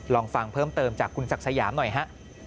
ลองฟังเพิ่มเติมจากคุณศักดิ์สยามหน่อยฮะ